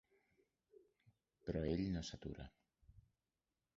Però ell no s'atura.